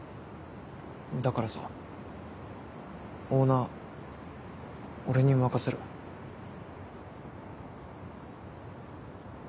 だからさオーナー俺に任せろよ。